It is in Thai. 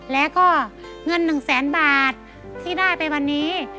แล้วก็เงิน๑แสนบาทที่ได้ไปวันนี้